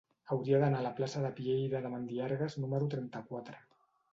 Hauria d'anar a la plaça de Pieyre de Mandiargues número trenta-quatre.